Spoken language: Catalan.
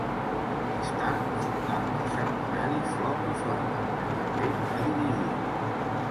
Més tard fundà el setmanari Foc i flama, que també va dirigir.